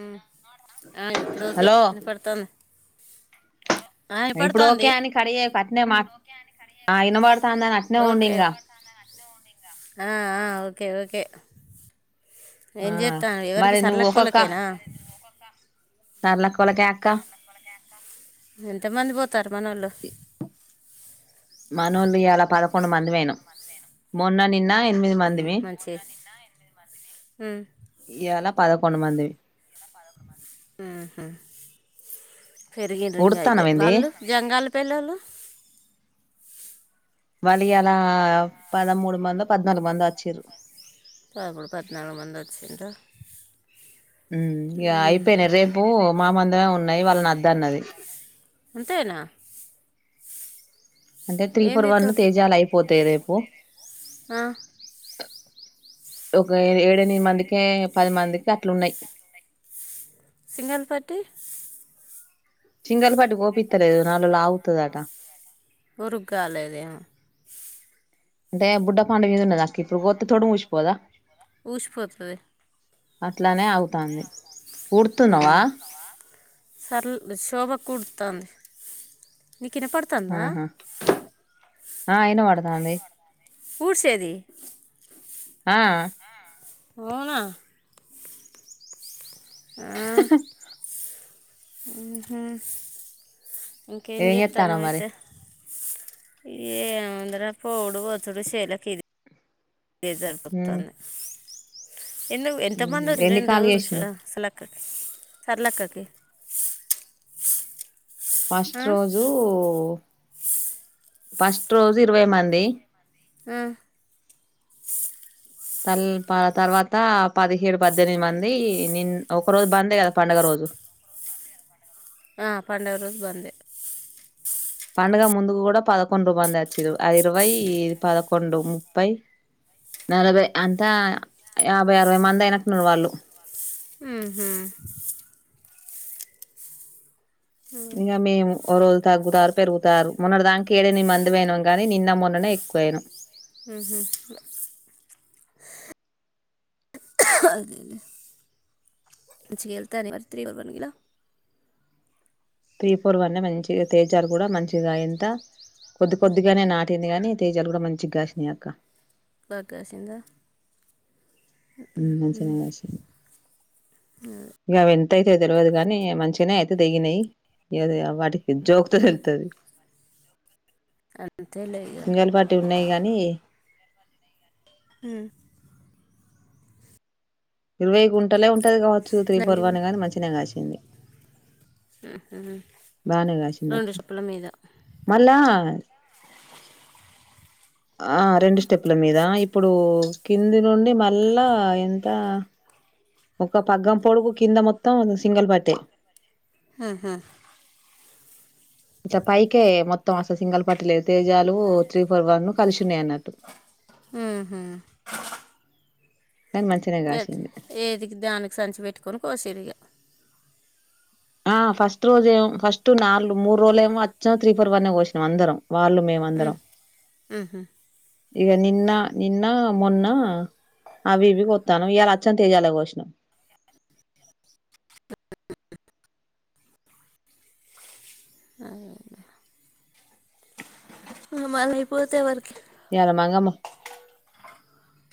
ఉ ఆ ఇప్పుడు okay hello కనపడతాంది ఇప్పుడు ఓకే అని కడి అట్నే మా ఆ ఇనబడుతాందని అట్నే ఉండు ఓకే ఇంకా ఆ ఆ ఓకే ఓకే ఏం ఆ చెత్తం ఎవరికి మరి సర్లక్కళ్ళకేనా తరలాకువలకె అక్క ఎంతమంది పోతర్రు మనోళ్లు మనోళ్లు ఎలా పదకొండు మంది వేయినం మొన్న నిన్న ఎనిమిది ఉహు, మందిమి మంచి ఉమ్, ఇలా పదకో కొంత మందివి ఉ హు పెరిగినంగా అయితే ఉడుత్తన్నవ ఏంది వాళ్ళు జంగాల్ పిల్లలు వాళ్ళు ఈయలా పదమూడు మంద పద్నాలుగు మంది అచ్చిర్రు పదమూడు పద్నాలుగు మంది వచ్చిండారు ఉ ఇగ అయిపోయిన రేపు మామందమే ఉన్నాయి వాళ్ళని అద్ద అన్నది అంతేనా అంటే త్రీ ఫోర్ ఏంది తో వాలు తేజాలు అయిపోతాయి రేపు ఆ, ఒక ఏడ ఎనిమిది మందికి పది మందికి అట్లు ఉన్నాయి సింగల్ పార్టీ సింగల్పాటి కోపిత్తలేదో నాలుగు రోజులు ఆవుతుదాట రు కాలేగ అంటే బుడ్డ పాడుగద ఉన్న నాకు ఇప్పుడు కొత్త తోడు మూసిపోదా ఉష్పతది అట్లానే అవుతంది ఊర్తున్నావా సర్ల్ సోభ కుడుతాంది నీకు ఇనపడుతందా? ఆహా ఆ ఇనపడతాంది వూడ్సేది ఆ అవునా! ఆ మ్మ్ హు ఇంకేం ఏం చేత్తన్నావ్ మరి జేత్తునవైతే? ఏముంది రా పోవుడు వచ్చుడు శేలకి ఇది ఇదే మ్మ్ సరిపోత్తంది. ఎందు ఎంత మ్మ్ మంది ఎన్ని కాల్ చేసినవ్ [unintelligible] సర్ళక్కకి ఫస్ట్ రోజూ ఫస్ట్ రోజు ఇరవై మంది ఆ తల్ పా తర్వాత పదిహేడు, పద్దెనిమిది మంది నిన్ ఒక్క రోజు బంద్ కదా పండగ రోజు. పండగ రోజు బందే. పండుగ ముందుకు కూడా పదకొండు మంది అచ్చిరు ఆ ఇరవై, ఈ పదకొండు, ముప్పై, నలభై, అంతా యాభై, అరవై, మంది అయినట్టున్నరు వాళ్ళు. హ్మ్ హు ఇంగ మేము ఓ రోజు తగ్గుతారు పెరుగుతారు. మొన్నటి దాంక ఏడేనిమి మందు పోయినం గాని, నిన్న మొన్ననే ఎక్కువయినం. మ్మ్ హు అదేలే [unintelligible] తే పూర్ వండ్న మంచిగా తేజాలు కూడ మంచిగా ఇంత కొద్ది కొద్దిగనే నాటింది గాని తేజలు కూడా మంచిగ గాష్నియాక్క. బాగ కాసింద. మ్మ్ మంచిగనే కాశినయి. గవెం తయితై తెల్వదు గానీ, మంచిగనే అయితే తెగినయి ఇగ వాటి జోకితె ఉమ్, తెలుతది. అంతేలే ఇక సింగల్ పాటీ ఉన్నయి గానీ మ్మ్ ఇరవై గుంటలే ఉంటది కావచ్చు త్రి నలుగు పూర్వానే కాని మంచిగనే కాసింది. బానే రెండు గాసిందక్క చెప్పుల మీద మళ్ళా ఆ రెండు స్టెప్ల మీద ఇప్పుడూ కింది నుండి మళ్ళా ఎంత ఒక పగ్గం పొడుగు కింద మొత్తం సింగల్ పట్టే హహా ఇట్లా పైకే మొత్తం అసలు సింగల్ పట్ట లేదు తేజాలు త్రీ ఫోర్ వన్ కలిసి ఉన్నాయన్నట్టు. ఉహు కానీ మంచిగనే కాసింది. ఏది దానికి సంచి పెట్టుకోని కోసేరిగా ఆ ఫస్ట్ రోజ ఏమో ఫస్ట్ నాలుగు మూడు రోజులు ఏమో అచ్చం త్రీ ఫోర్ వన్ కోసినాం అందరం వాళ్ళు మేమందరం ఉమ్, ఉహు. ఇక నిన్న నిన్న మొన్న అవి ఇవి కొత్తాను ఇవాలా అచ్చం తేజాలే కోసినం అ మళ అయిపోతే ఎవరికి ఏల మాంగమ్మ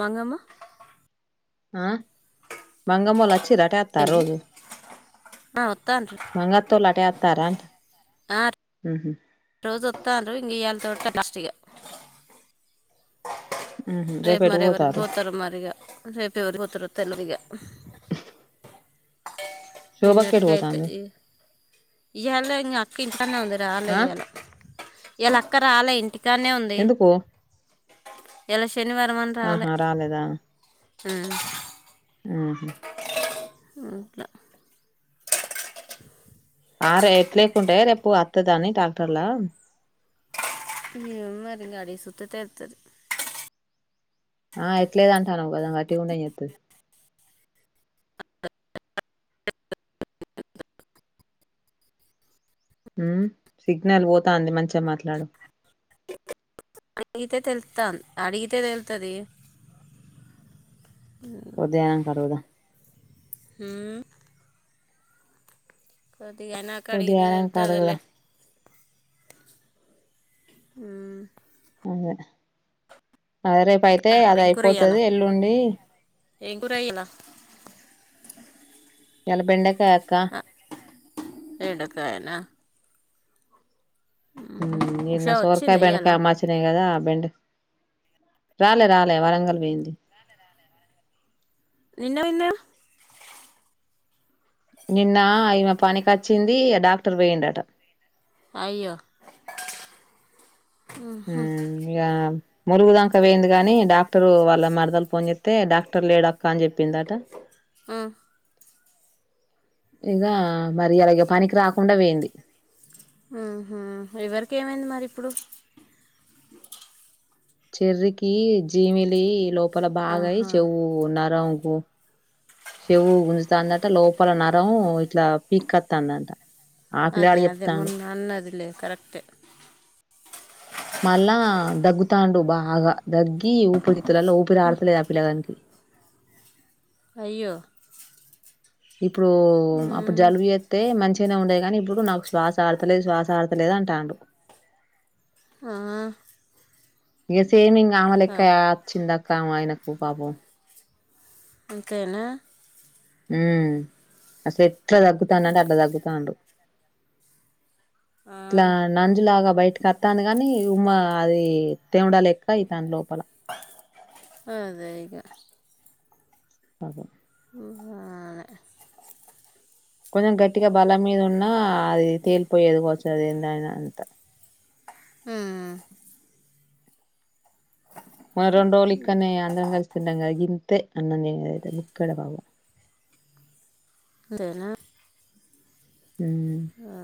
మంగమ్మ ఆ మంగమ్మలు వచ్చిరటత ఏంటి రోజు ఆ వత్తాండ్రు మంగత్తులు అటే తారాంట ఆ ఉ రోజు వత్తాండ్రు ఈయాల తోటి లాస్ట్ ఇగ రేపు మరెవరికి పోతారు మరిగా రేపు ఎవరికి పోతారో తెలవిగా శోభక్క ఎటు నిన్నటికి అతే పోతాంది ఇయ్యాల ఇంగ అక్క ఇంతనే ఉంది రాలే ఆ ఇయ్యాల ఎలాక్క రాలే ఇంటికి తనే ఉంది ఎందుకు ఎలాచ్ ఆహా రాలేదా ఉ ఉహు ఇట్లా ఆ రేట్ లేకుంటా రేపు అత్తదాని డాక్టర్లా ఏ మరింగ అడి సట్తేే ఎతుది ఆ ఎట్లాలేదాంటానకోదా వాటిండయిత్ అ ఉ సిగ్నల్ పోతాంది మంచిగా మాట్లాడు అడిగితే తెలుతా అడిగితే తెలుతది ఉదయానంక అడుగుదాం ఉ ఓటి అయినాక అడిగితే ఉదయానంక తెలుతదిలే అడుగుదాం ఉ అదే ఆ రేపు అయితే అది ఏం కూర ఇయ్యాల అయిపోతది ఎల్లుండీ. ఏం కూర ఇయలా. ఇయాల బెండ్ కాయ్ అక్కా. ఏడక్వయనా ఊ ఇ నా ఉషా సోర్కాయ వచ్చిందా ఇయ్యాల బండకాయ అమ్మాచిన కదా బెండ రాలే రాలే వరంగల్ పోయింది విన్న విన్న నిన్న ఈమె పనికచ్చింది ఇగ డాక్టర్ వేయిండట అయో [unintelligible] ఊ ఇగ మురుగుదాంక వయిందిగాని డాక్టర్ వాళ్ళ మరదలు పోన్ జేత్ తే డాక్టర్ లేడక్క అని చెప్పిందట ఇగ మరి అలాగ పనికి రాకుండా వేయింది ఆహ ఎవరికి ఏమైంది మరి ఇప్పుడు చెర్రీకి జీమిలి లో ల బాగాయి ఆహా చెవ్వూ నరం. ఓ చెవ్వూ గుంజుతాందట్ లోపల నరమ్మ్ ఇట్లా పీక్కతాందంట. అదే అదే మొన్న అన్నదిలే. కరెక్టే మళ్ళా దగ్గుతాండు బాగా దగ్గి ఊపిరి తులలో ఊపిరి ఆడతలేదు ఆ పిల్లగానికి అయ్యో ఇప్పుడు అప్పుడు మ్మ్. జలుబు ఎతె మంచి నే ఉండే కానీ ఇప్పుడు నాకు శ్వాస ఆడతలేదు శ్వాస ఆడతలేదు అంటాడు ఆ ఏసి సేమింగ ఆ, ఆమలెక్క వచ్చిందా కావయినకు పాపం అంతేనా ఊ అసే ఎట్ల తగ్గుతండంటే అట్ల దగ్గుతాండు ఆ, ఇట్లా నంజులాగా బయట కత్తండు గాని మ్మా అది తేమడ లెక్క ఐతంది లోపల అదేగా అదే ఉ ఆదే కొంచెం గట్టిగా బలం మీద ఉన్నా అది తేలిపోయేదికావచ్చు అది ఏందయ్నా అంత ఆ ఆ రోండ్రోజులు ఇక్కనే అందరం గలిసి తింటాం కదా గిప్ అంతే అన్నడిన్నదయితే బుక్కడే మళ్ల అంతేనా ఉమ్ ఆ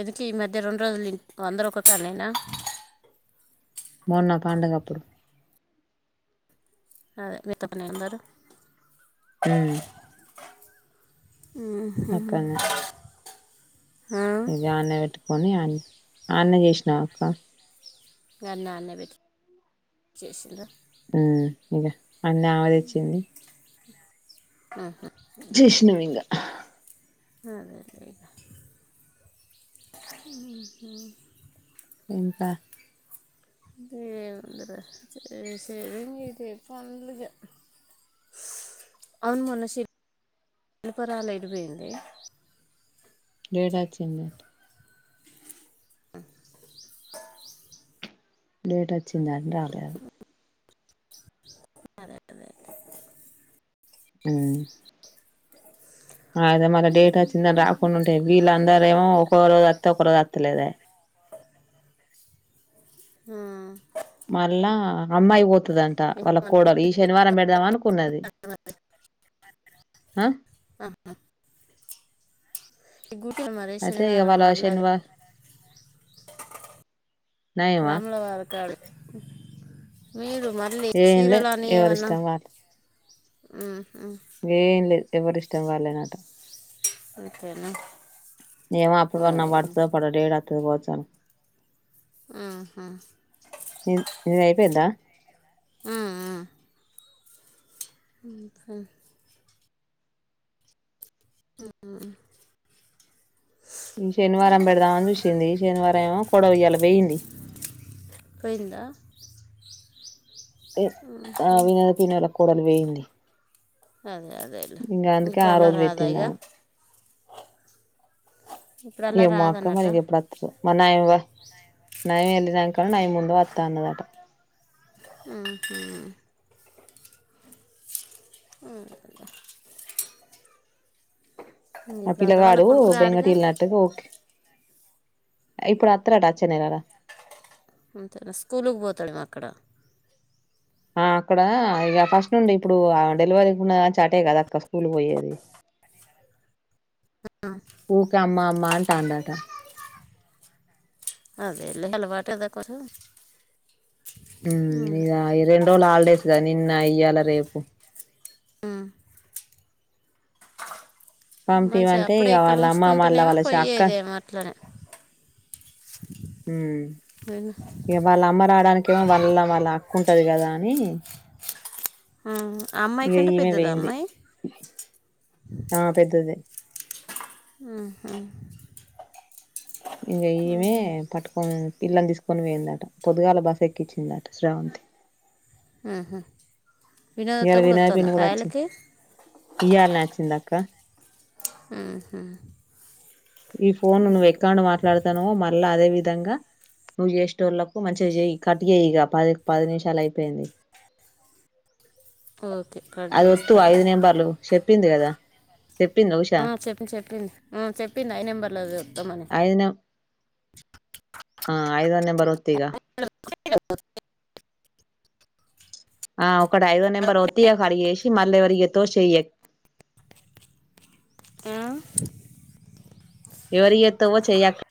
ఎందుకే ఈ మధ్య రెండు రోజులు తి అందరు ఒక [unintelligible] మొన్న పండుగప్పుడు అదే మీత్తప్ప అందరు ఉమ్ హ్మ్ హు ఇగానే పేట్టుకొని అ అనే చేసినావా అక్క గానే ఆనే పెట్ చేేసిందో ఉ ఇకా అన్న ఆయోచ్చింది ఆహా నువింగా అదే ఇగ ఊహు ఇంకా అవును మొన్న శిల్ప రాలే ఎటు ఓయింది డేటా వచ్చిందా డేట్ వచ్చిందని రా అదే అదే నిమ్ అదే మ డేట్ వచిిందని రాకుండా ఉంటాయి వీళ్ళందర ఏమో ఒక రోజు వతా పరవాత్ లేదే ఆ మళ్ళ అమ్మాయి పో పతంట వాళ్ళ కోడలు ఈ శనివారం పెడదాం అనుకున్నది హా ఆహా గుర్తుందా మరి అయితే ఇగ శనివారం వాళ్ళ మళ్ళ శనివారం నయమా రాముల వార కాడ మీరు మళ్ళీ ఏం లేదు చీరలు అని ఏమన్నా ఎవరిష్టం వాళ్ళు హ్మ్ ఏం లేదు ఎవరి ఇష్టం వాలేేనట అందుకేనా ఏమో అప్పుడు అన్న పడ్తాదో డేడా [unintelligible] హ్మ్ హు నిది అయిపోయిందా హ్మ్ హ్మ్ [unintelligible] ఉహు ఈ శనివారం పెడదామని చూసింది శనివారం కోడలి ఇయాల పోయింది. పోయిందా [inaudible] ఉ ఆ వినోద పిన్నుల కోడలు పోయింది. అదే అదే ఇంగ అందుకే ఇప్పుడు ఆ అలా రోజు రాదా ఇగ పెట్టిందామె ఏం అక్క రాదన్నట మరి ఎప్పుడు వస్తదో మా నాయన పొ నవమి ఎల్లినంక నైముందు వతా అన్నదట హ్మ్ హు హ్మ్ ఆ ఇప్పుడు అల్ల వాళ్ళ పిల్లగాడు కొడుకు బెంగటి రాడుగా వెళ్ళనట్టుగా ఓ ఇప్పుడు అత్తరట వచ్చే నెల అంతే స్కూల్కి పోతాడేమో అక్కడ ఆ అక్కడ ఇక ఫస్ట్ నుండి ఇప్పుడు డెలివరీకు చాటే కదా అక్క స్కూల్ పోయేది. ఊక అమ్మమ్ మంటాడాట అదేలే అలవాటు కదా కొంచెం. ఉ ఇ రెండు రోజులు హాలిడేస్ కదా నిన్న ఇయ్య రేపు ఉ మంచిగా పంపిమంటే అప్పుడే ఇగ ఇక్కడ వాళ్ళ అమ్మ మళ్ళ ఉంచుకుంటునేమో వాళ్ళ పోయ్యేదేమో అట్లనే. ఉం విను- ఇక వాళ్ళ అమ్మ రావడానికి ఏమో మల్ల వాళ్ళ ఉంటది కదా అని అమ్మాయి ఇగ కంటే ఈమె పెద్దద పోయింది అమ్మాయి. ఆ పెద్దది ఉహూ ఇగా ఈమె పట్టుకో పిల్లను తీసుకొని పోయిందట పొద్దుగాల బస్సు ఎక్కించిందట స్రవంతి. ఆహా ఇయల వినాయ పిన్ని కూడా వచ్చింది ఇయళ న వచ్చిందా. క ఉహూ ఈ ఫోన్ నువ్వు ఎక్కడి మాట్లాడతానవో మా ల్ అదే విధంగా నువ్వు చేసేటోళ్లకు మంచిగా చేయి కట్ చేయి, ఇగా పది పది నిమిషాలు అయిపోయింది. ఓకే కట్ అది వత్తు ఐదు చేస్తాలే నెంబర్లు చెప్పింది కదా. చెప్పిందా ఉషా ఆ చెప్పి చెప్పింది ఆ చెప్పి ఫిఫ్టీ నై నెంబర్ల జు. ఐయామ్. ఆ ఐదొ నెంబర్ ఒత్తు ఇగ. [unintelligible] ఆ ప్. ఇక్కడ ఐదో నంబర్ ఒత్తి ఇగ కడిజెషి. మళ్ల ఎవరికి చెత్తవో చెయ్యినీ. ఆ ఎవరికి చెప్పుతావో చెయ్యి